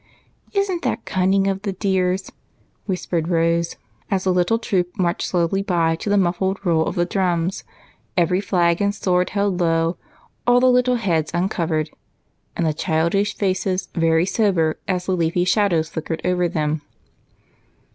" Is n't that cunning of the dears ?" whispered Rose, as the little troo^D marched slowly by to the muffled roll of the drums, every flag and sword held low, all the little heads uncovered, and the childish faces very sober as the leafy shadows flickered over them.